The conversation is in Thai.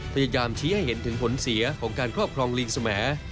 พยายามชี้ให้เห็นถึงผลเสียของการครอบครองลิงสมัย